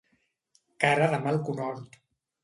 Cara de mal conhort.